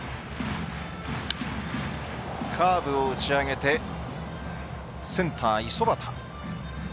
カーブを打ち上げてセンターの五十幡。